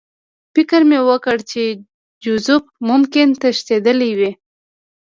فکر مې وکړ چې جوزف ممکن تښتېدلی وي